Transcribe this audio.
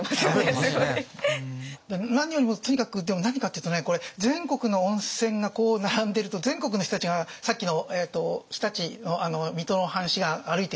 何よりもとにかく何かっていうとね全国の温泉が並んでると全国の人たちがさっきの常陸の水戸の藩士が歩いていくって。